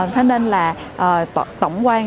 thế nên là tổng quan